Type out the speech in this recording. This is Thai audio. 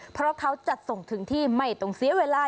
เพราะเขาจัดส่งถึงที่ไม่ต้องเสียเวลา